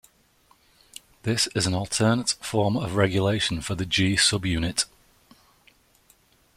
This is an alternate form of regulation for the G subunit.